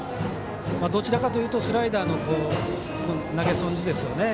どちらかというとスライダーの投げ損じですよね。